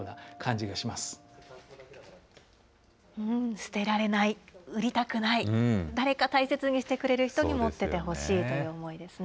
捨てられない、売りたくない、誰か大切にしてくれる人に持っててほしいという思いですね。